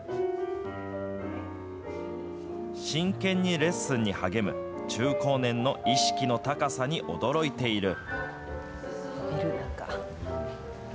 真剣にレッスンに励む、中高年の意識の高さに驚いている。